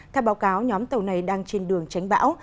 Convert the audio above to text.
theo báo cáo nhóm tàu này đang trên đường tránh bão